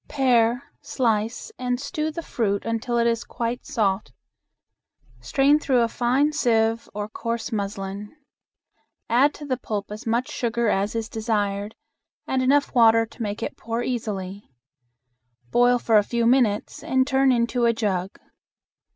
Pare, slice, and stew the fruit until it is quite soft. Strain through a fine sieve or coarse muslin. Add to the pulp as much sugar as is desired and enough water to make it pour easily. Boil for a few minutes and turn into a jug.